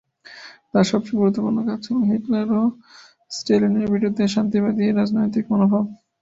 তার সবচেয়ে গুরুত্বপূর্ণ কাজ ছিল হিটলার ও স্ট্যালিনের বিরুদ্ধে শান্তিবাদী রাজনৈতিক মনোভাব।